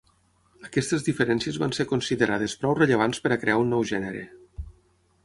Aquestes diferències van ser considerades prou rellevants per crear un nou gènere.